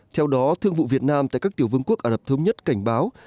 theo đó thương vụ việt nam tại các tiểu vương quốc ả rập thống nhất cảnh báo